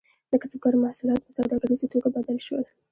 د کسبګرو محصولات په سوداګریزو توکو بدل شول.